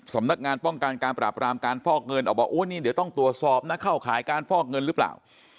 สำนักงานป้องกันการปราบรามการฟอกเงินออกมาโอ้นี่เดี๋ยวต้องตรวจสอบนะเข้าข่ายการฟอกเงินหรือเปล่า